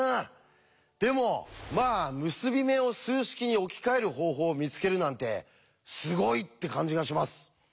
でもまあ結び目を数式に置き換える方法を見つけるなんてすごいって感じがします。